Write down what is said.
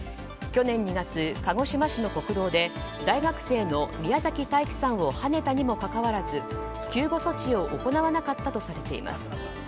去年２月、鹿児島市の国道で大学生の宮崎大喜さんをはねたにもかかわらず救護措置を行わなかったとされています。